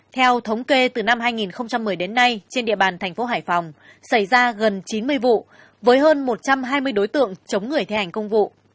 theo thống kê từ năm hai nghìn một mươi đến nay trên địa bàn thành phố hải phòng xảy ra gần chín mươi vụ với hơn một trăm hai mươi đối tượng chống người thi hành công vụ